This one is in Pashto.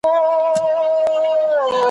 که مي هر څه په غپا یوسي خوبونه ,